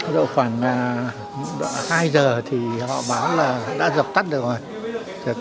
độ khoảng hai giờ thì họ báo là đã dập tắt được rồi